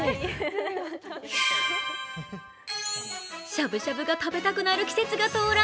しゃぶしゃぶが食べたくなる季節が到来。